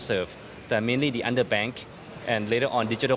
terutama penggunaan bank dan penggunaan digital